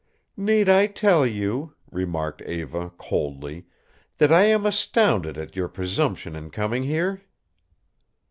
"Need I tell you," remarked Eva, coldly, "that I am astounded at your presumption in coming here?"